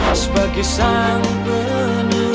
mari kami antarnya